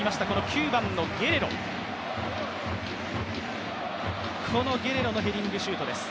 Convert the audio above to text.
９番のゲレロ、このゲレロのヘディングシュートです。